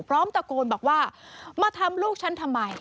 พร้อมตะโกนบอกว่ามาทำลูกฉันทำไม